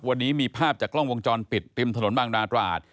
วันนี้มีภาพจากกล้องวงจรปิดริมถนนบางนาตราด